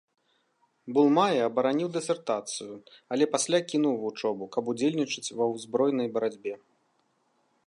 Булмае абараніў дысертацыю, але пасля кінуў вучобу, каб удзельнічаць ва ўзброенай барацьбе.